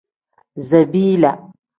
Zabiila.